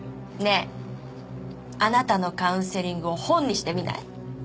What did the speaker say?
ねえあなたのカウンセリングを本にしてみない？